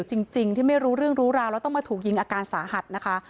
จริงที่ไม่รู้เรื่องรู้ราวแล้วต้องมาถูกยิงอาการสาหัสนะคะ